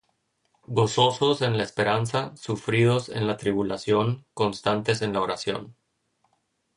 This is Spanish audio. Gozosos en la esperanza; sufridos en la tribulación; constantes en la oración;